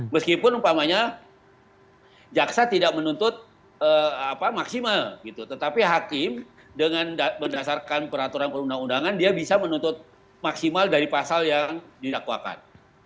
meskipun umpamanya jaksa tidak menuntut maksimal gitu tetapi hakim dengan berdasarkan peraturan perundang undangan dia bisa menuntut maksimal dari pasal yang didakwakan